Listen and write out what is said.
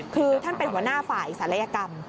คือท่านเป็นหัวหน้าฝ่ายศัลยกรรม